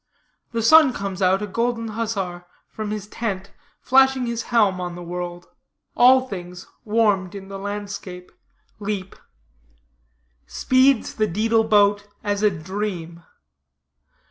The sun comes out, a golden huzzar, from his tent, flashing his helm on the world. All things, warmed in the landscape, leap. Speeds the dædal boat as a dream.